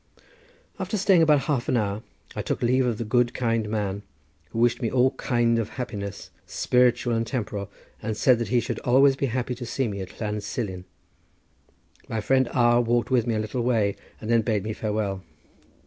After staying about half an hour I took leave of the good kind man, who wished me all kind of happiness, spiritual and temporal, and said that he should always be happy to see me at Llan Silin. My friend R— walked with me a little way and then bade me farewell.